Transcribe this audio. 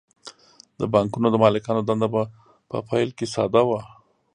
د بانکونو د مالکانو دنده په پیل کې ساده وه